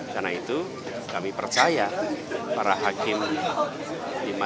karena itu kami percaya para hakim di majelis mahkamah konstitusi menyadari benar